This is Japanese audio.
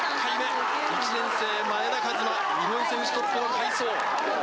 １年生、前田和摩、日本選手トップの快走。